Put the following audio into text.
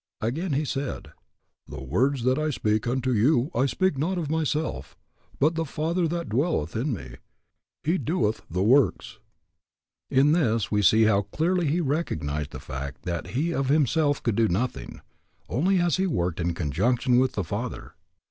Again he said, The words that I speak unto you I speak not of myself: but the Father that dwelleth in me, He doeth the works. In this we see how clearly he recognized the fact that he of himself could do nothing, only as he worked in conjunction with the Father.